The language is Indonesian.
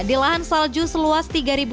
di lahan salju seluas